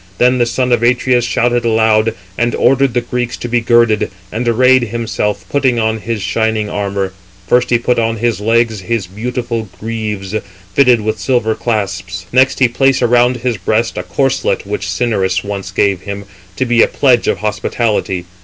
Then the son of Atreus shouted aloud, and ordered the Greeks to be girded; and arrayed himself, putting on his shining armour. First he put upon his legs his beautiful greaves, fitted with silver clasps; next he placed around his breast a corslet which Cinyras once gave him, to be a pledge of hospitality.